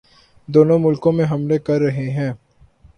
دونوں ملکوں میں حملے کررہے ہیں